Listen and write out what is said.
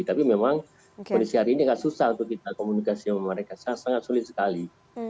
tapi memang kondisi hari ini agak susah untuk kita komunikasi sama mereka sangat sulit sekali